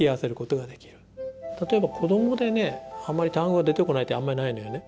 例えば子どもでねあんまり単語が出てこないってあんまりないのよね。